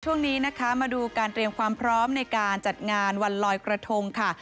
ช่วงนี้นะคะมาดูการเตรียมความพร้อมในการจัดงานวันลอยกระทงค่ะ